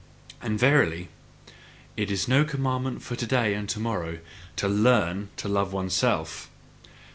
And verily, it is no commandment for to day and to morrow to LEARN to love oneself.